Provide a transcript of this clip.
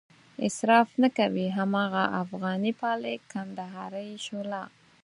اصراف نه کوي هماغه افغاني پالک، کندهارۍ شوله.